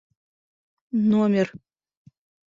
Номер..